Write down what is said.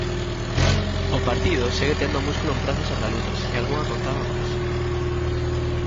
O partido segue tendo músculo en prazas andaluzas e algunha contada máis.